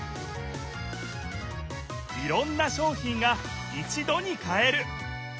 いろんな商品が一度に買える！